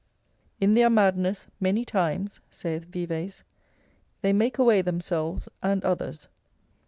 In their madness many times, saith Vives, they make away themselves and others.